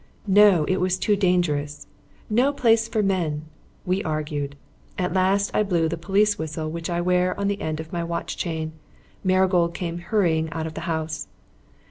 No. It was too dangerous. No place for men. We argued. At last I blew the police whistle which I wear on the end of my watch chain. Marigold came hurrying out of the house.